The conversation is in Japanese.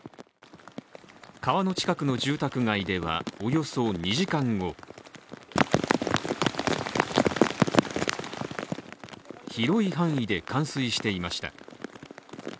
川の近くの住宅街ではおよそ２時間後広い範囲で冠水していました。